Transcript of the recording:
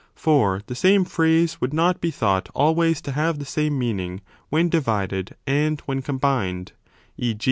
For the same phrase would not 35 be thought always to have the same meaning when divided and when combined, e.